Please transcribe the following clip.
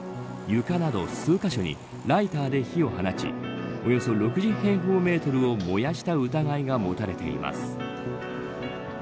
床など数カ所にライターで火を放ちおよそ６０平方メートルを燃やした疑いが持たれています。